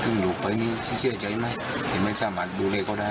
ถึงลูกไปนี่ซึ่งเชื่อใจให้แม่เห็นไหมค่ะมาดูแลเขาได้